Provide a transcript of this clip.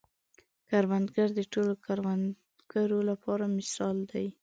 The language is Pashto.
کروندګر د ټولو کروندګرو لپاره مثال دی